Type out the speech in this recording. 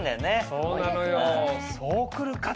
そうなのよ。